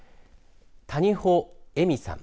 谷保恵美さん。